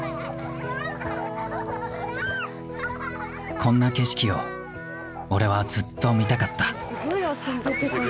こんな景色を俺はずっと見たかった。